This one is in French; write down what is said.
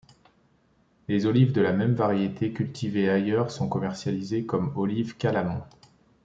Les olives de la même variété cultivées ailleurs sont commercialisées comme olives Kalamon.